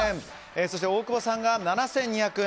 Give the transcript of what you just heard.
そして大久保さんが７２００円。